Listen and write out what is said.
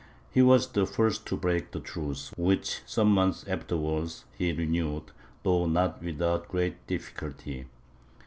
He was the first to break the truce, which some months afterwards he renewed, though not without great difficulty.